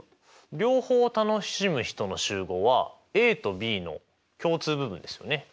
両方楽しむ人の集合はＡとＢの共通部分ですよね。